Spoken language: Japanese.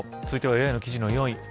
続いてはＡＩの記事の４位。